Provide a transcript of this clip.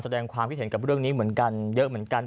แสดงความคิดเห็นกับเรื่องนี้เยอะเหมือนกัน